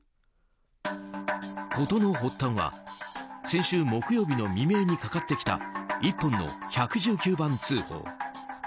事の発端は先週木曜日の未明にかかってきた一本の１１９番通報。